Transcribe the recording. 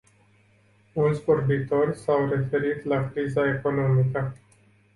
Mulți vorbitori s-au referit la criza economică.